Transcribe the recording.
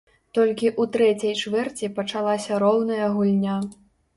Толькі ў трэцяй чвэрці пачалася роўная гульня.